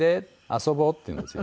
遊ぼう」って言うんですよ。